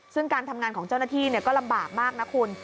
ซึ่งการทำงานของเจ้าหน้าที่ก็ลำบากมากนะคุณ